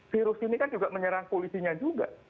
virus ini kan juga menyerang polisinya juga